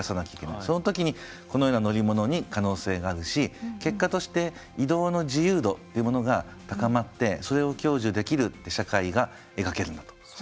その時にこのような乗り物に可能性があるし結果として移動の自由度というものが高まってそれを享受できるって社会が描けるんだとそう思います。